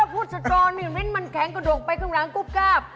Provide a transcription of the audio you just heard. พูดสกรนี่มิ้นมันแข็งกระดกไปข้างหลังกรุ๊บกราบ